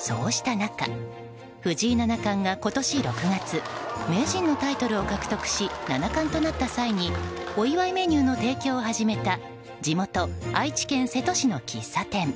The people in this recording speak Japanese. そうした中、藤井七冠が今年６月名人のタイトルを獲得し七冠となった際にお祝いメニューの提供を始めた地元・愛知県瀬戸市の喫茶店。